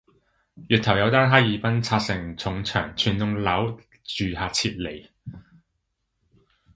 月頭有單哈爾濱拆承重牆全棟樓住客撤離